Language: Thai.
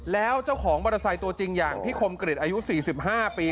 แล้วเจ้าของมอเตอร์ไซค์ตัวจริงอย่างพี่คมกริจอายุ๔๕ปี